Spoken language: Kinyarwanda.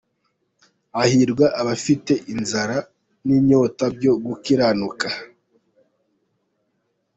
Hahirwa abafite inzara n’inyota byo gukiranuka